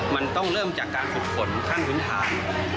มันต้องเริ่มจากการฝุดผลข้างคุณฐาน